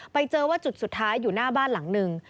ไปเจอว่าจุดสุดท้ายอยู่หน้าบ้านหลังหนึ่ง